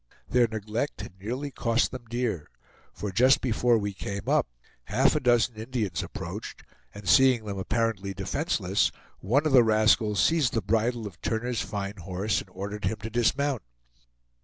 Their neglect had nearly cost them dear; for just before we came up, half a dozen Indians approached, and seeing them apparently defenseless, one of the rascals seized the bridle of Turner's fine horse, and ordered him to dismount.